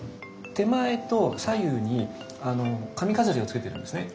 手前と左右に髪飾りをつけてるんですね。